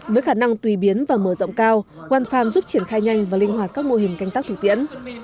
với khả năng tùy biến và mở rộng cao one farm giúp triển khai nhanh và linh hoạt các mô hình canh tác thủ tiễn